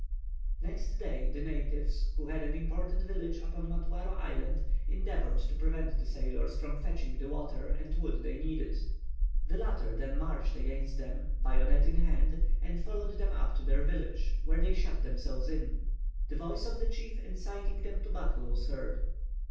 Next day, the natives, who had an important village upon Matuaro Island, endeavoured to prevent the sailors from fetching the water and wood they needed. The latter then marched against them, bayonet in hand, and followed them up to their village, where they shut themselves in. The voice of the chief inciting them to battle was heard.